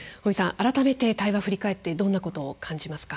改めて対話を振り返ってどんなことを感じますか？